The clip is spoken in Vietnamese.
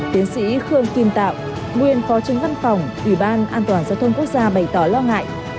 tiến sĩ khương kim tạo nguyên phó tránh văn phòng ủy ban an toàn giao thông quốc gia bày tỏ lo ngại